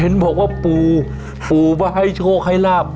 เห็นบอกว่าผูปู่ว่ายโชคให้ราบ